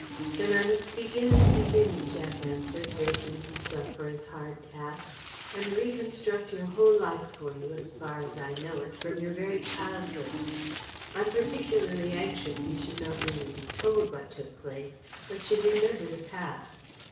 "Then I must begin at the beginning," Jack answered, bracing himself for his hard task, "and reconstruct your whole life for you, as far as I know it, from your very childhood. I'm particularly anxious you should not merely be TOLD what took place, but should remember the past.